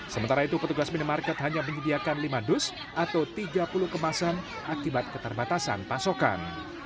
sementara itu petugas minimarket hanya menyediakan lima dus atau tiga puluh kemasan akibat keterbatasan pasokan